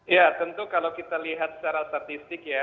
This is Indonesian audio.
ya tentu kalau kita lihat secara statistik ya